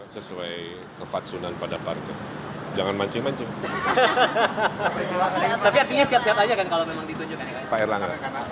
sesuai kefatsunan pada partai jangan mancing mancing